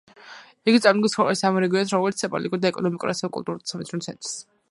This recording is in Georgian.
იგი წარმოადგენს ქვეყნის ამ რეგიონის როგორც პოლიტიკურ და ეკონომიკურ ასევე კულტურულ და სამეცნიერო ცენტრს.